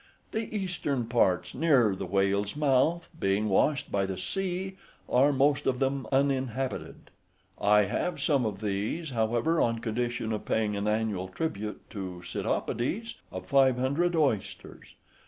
The eastern parts, near the whale's mouth, being washed by the sea, are most of them uninhabited. I have some of these, however, on condition of paying an annual tribute to the Psittopodes of five hundred oysters.